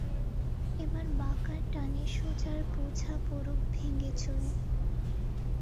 এবার বাঁকার টানে সোজার বোঝা পড়ুক ভেঙে-চুরে।